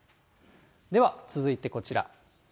では、続いてこちら。